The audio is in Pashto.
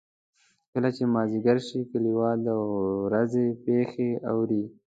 کله چې مازدیګر شي کلیوال د ورځې پېښې اوري.